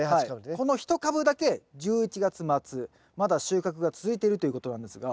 この１株だけ１１月末まだ収穫が続いてるということなんですが。